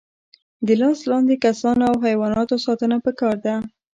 د لاس لاندې کسانو او حیواناتو ساتنه پکار ده.